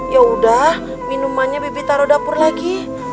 yaudah minumannya bibit taruh dapur lagi